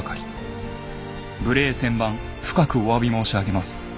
無礼千万深くお詫び申し上げます。